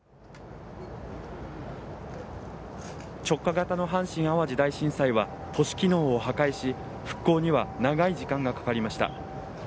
直下型の阪神・淡路大震災は都市機能を破壊し復興には長い時間がかかりました。